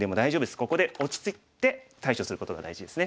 ここで落ち着いて対処することが大事ですね。